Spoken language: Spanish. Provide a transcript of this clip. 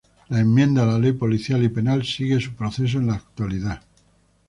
La enmienda a la Ley policial y penal sigue su proceso en la actualidad.